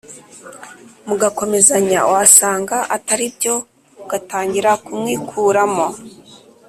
mu gakomezanya wasanga ataribyo ugatangira kumwikuramo.